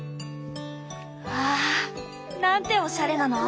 わあなんておしゃれなの！